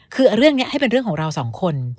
คือเรื่องนี้ให้เป็นเรื่องของเราสองคน